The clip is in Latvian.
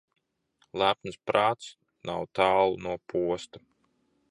Lepns prāts nav tālu no posta.